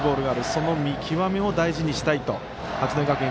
その見極めも大事にしたいと八戸学院